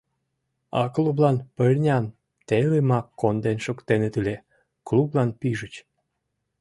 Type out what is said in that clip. У клублан пырням телымак конден шуктеныт ыле — клублан пижыч.